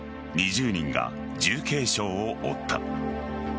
２０人が重軽傷を負った。